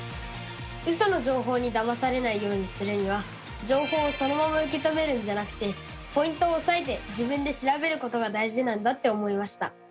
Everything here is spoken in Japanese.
ウソの情報にだまされないようにするには情報をそのまま受け止めるんじゃなくてポイントをおさえて自分で調べることが大事なんだって思いました！